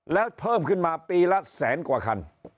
แล้วเพิ่มขึ้นมาปีละแสนกว่าคัน